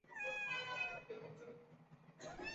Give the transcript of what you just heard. Malí sigue dependiente de ayuda internacional.